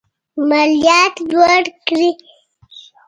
مالیات لوړ کړي.